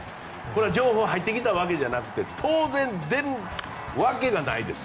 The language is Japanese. これは情報が入ってきたわけじゃなくて当然出るわけがないです。